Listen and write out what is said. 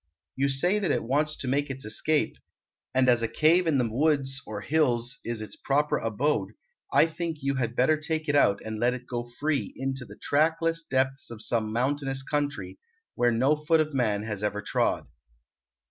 You say that it wants to make its escape, and as a cave in the woods or hills is its proper abode, I think you had better take it out and let it go free into the trackless depths of some mountainous country, where no foot of man has ever trod."